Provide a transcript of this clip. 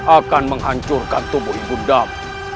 akan menghancurkan tubuh ibu dam